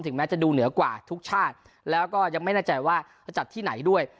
แม้จะดูเหนือกว่าทุกชาติแล้วก็ยังไม่แน่ใจว่าจะจัดที่ไหนด้วย